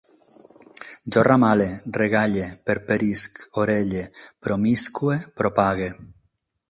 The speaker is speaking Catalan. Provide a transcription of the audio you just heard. Jo ramale, regalle, perperisc, orelle, promiscue, propague